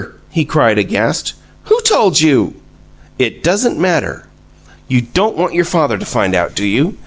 he cried, aghast. "Who told you?" "It doesn't matter. You don't want your father to find out, do you?